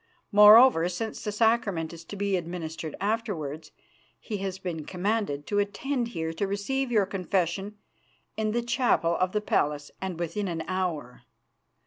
Moreover, since the Sacrament is to be administered afterwards, he has been commanded to attend here to receive your confession in the chapel of the palace, and within an hour.